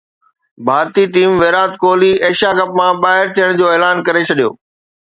ڀارتي team Virat Kohli Asia Cup مان ٻاهر ٿيڻ جو اعلان ڪري ڇڏيو